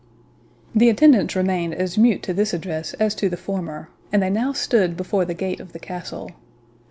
The attendants remained as mute to this address as to the former, and they now stood before the gate of the castle.